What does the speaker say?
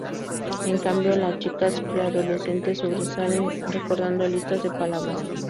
En cambio, las chicas preadolescentes sobresalen recordando listas de palabras.